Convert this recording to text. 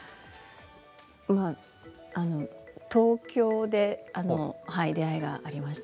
東京で出会いがありました。